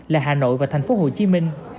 là hà nội và thành phố hồ chí minh